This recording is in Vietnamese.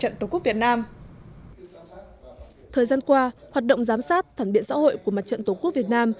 thời gian qua hoạt động giám sát phản biện xã hội của mặt trận tổ quốc việt nam